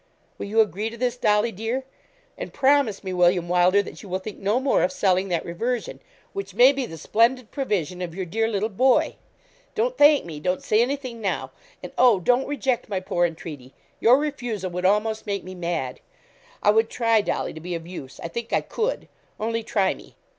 Will you agree to this, Dolly, dear; and promise me, William Wylder, that you will think no more of selling that reversion, which may be the splendid provision of your dear little boy. Don't thank me don't say anything now; and oh! don't reject my poor entreaty. Your refusal would almost make me mad. I would try, Dolly, to be of use. I think I could. Only try me.'